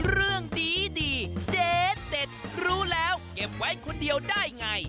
เรื่องดีเด็ดรู้แล้วเก็บไว้คนเดียวได้ไง